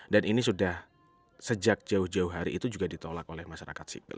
dan ini sudah sejak jauh jauh hari itu juga ditolak oleh masyarakat sipil